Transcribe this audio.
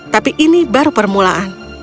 tapi ini baru permulaan